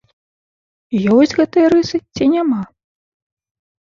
Ёсць гэтыя рысы ці няма?